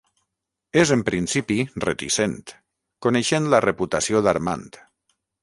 És en principi reticent, coneixent la reputació d'Armand.